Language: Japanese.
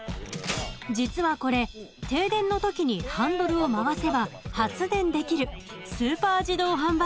実はこれ停電の時にハンドルを回せば発電できるスーパー自動販売機なんです。